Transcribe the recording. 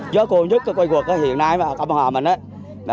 giá cua nhất cây quật hiện nay ở cẩm hà